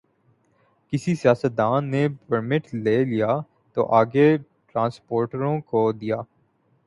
کسی سیاستدان نے پرمٹ لے لیا تو آگے ٹرانسپورٹروں کو دیا۔